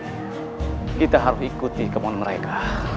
kita harus ikuti kemun mereka